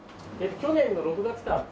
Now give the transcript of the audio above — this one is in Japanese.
去年の６月から。